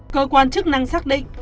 cơ quan chức năng xác định